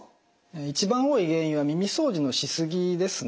一番多い原因は耳掃除のしすぎですね。